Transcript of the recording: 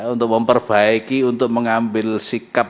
untuk memperbaiki untuk mengambil sikap